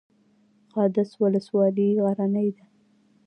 قادس ولسوالۍ غرنۍ ده؟